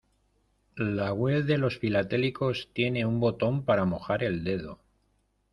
La web de los filatélicos tiene un botón para mojar el dedo.